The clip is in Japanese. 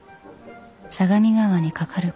相模川に架かる